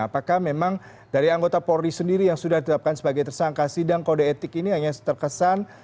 apakah memang dari anggota polri sendiri yang sudah ditetapkan sebagai tersangka sidang kode etik ini hanya terkesan